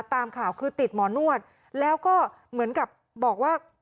ตามข่าวคือติดหมอนวดแล้วก็เหมือนกับบอกว่า